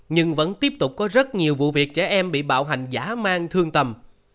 nhưng vẫn tiếp tục có rất nhiều vụ việc trẻ em bị bạo hành giả mang thương tầm